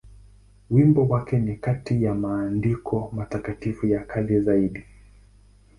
Wimbo wake ni kati ya maandiko matakatifu ya kale zaidi.